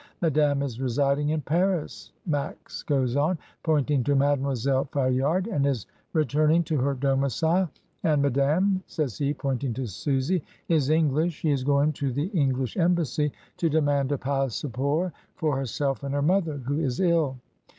Madame is residing in Paris," Max goes on, pointing to Mademoiselle Fayard, "and is returning to her domicile, and ma dame," says he, pointing to Susy, "is English; she is going to the English Embassy, to demand a passeport for herself and her mother, who is ill.